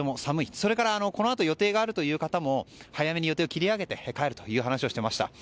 それからこのあと予定があるという方も早めに予定を切り上げて帰ると話していました。